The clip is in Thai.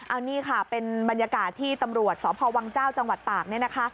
อันนี้ค่ะเป็นบรรยากาศที่ตำรวจสพวังเจ้าจังหวัดตากเนี่ยนะคะ